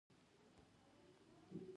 استاد د ژور فکر تمثیل دی.